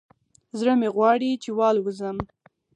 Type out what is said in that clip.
زړه مې غواړي چې والوزم